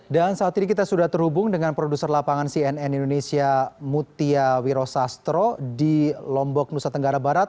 dan saat ini kita sudah terhubung dengan produser lapangan cnn indonesia mutia wiro sastro di lombok nusa tenggara barat